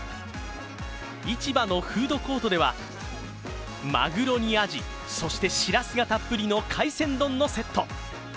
市場のフードコートではまぐろにあじ、そして、しらすがたっぷりの海鮮丼のセット。